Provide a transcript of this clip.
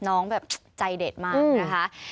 น้องแบบใจเด็ดมากนะคะ